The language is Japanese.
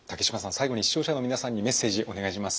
最後に視聴者の皆さんにメッセージお願いします。